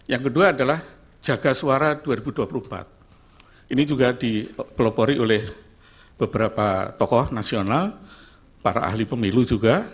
yang kedua adalah jaga suara dua ribu dua puluh empat ini juga dipelopori oleh beberapa tokoh nasional para ahli pemilu juga